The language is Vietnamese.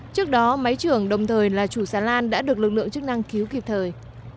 trước đó máy trưởng đồng thời là chủ xà lan đã được lực lượng chức năng cứu kịp thời